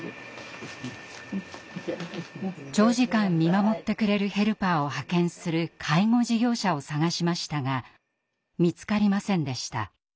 長時間見守ってくれるヘルパーを派遣する介護事業者を探しましたが見つかりませんでした。